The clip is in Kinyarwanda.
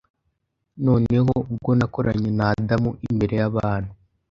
Noneho ubwo nakoranye na Adamu imbere yabantu,